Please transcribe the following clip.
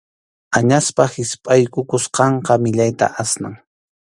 Añaspa hispʼaykusqanqa millayta asnan.